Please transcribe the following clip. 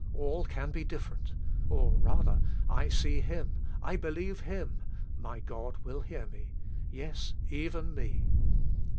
All can be different. Or, rather, I see Him, I believe Him. "My God will hear me !" Yes, me, even me